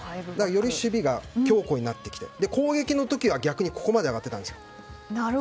より守備が強固になってきて攻撃の時は逆にここまで上がってたんです。